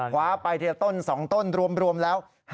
ไปทีละต้น๒ต้นรวมแล้ว